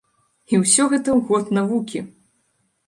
І ўсё гэта ў год навукі!